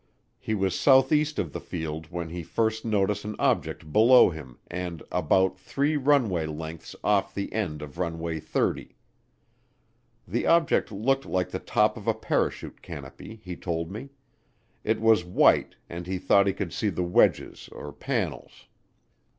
He was southeast of the field when he first noticed an object below him and "about three runway lengths off the end of Runway 30." The object looked like the top of a parachute canopy, he told me; it was white and he thought he could see the wedges or panels.